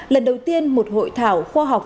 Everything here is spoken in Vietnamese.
lần đầu tiên một hội thảo khoa học